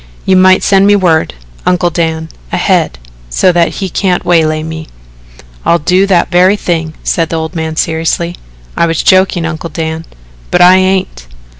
You might send me word, Uncle Dan, ahead, so that he can't waylay me." "I'll do that very thing," said the old man seriously. "I was joking, Uncle Dan." "But I ain't."